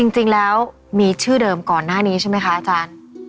จริงแล้วมีชื่อเดิมก่อนหน้านี้ใช่ไหมคะอาจารย์